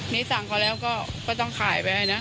นี่สั่งเขาแล้วก็ต้องขายไปให้นะ